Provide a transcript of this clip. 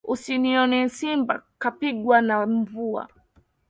Usinione simba kapigwa na mvua